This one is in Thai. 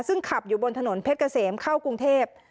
ซึ่งขับอยู่บนถนนเพชรเกษมเข้ากรุงเทพ